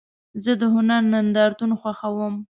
زه د هنر نندارتون خوښوم.